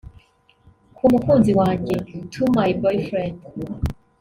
Ku mukunzi wanjye (To my Boyfriend)